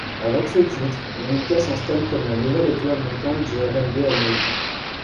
Avec ce titre, Monica s'installe comme la nouvelle étoile montante du rnb américain.